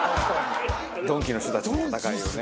ドンキの人たちの戦いをね。